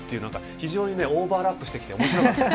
非常にオーバーラップしてきておもしろかったです。